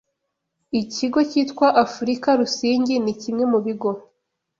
Ikigo cyitwa Afurica Risingi ni kimwe mu bigo